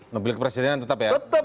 mobil kepresidenan tetap ya tetap